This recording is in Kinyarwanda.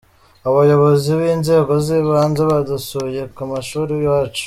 abayobozi b'inzego zibanze badusuye kumashuri iwacu.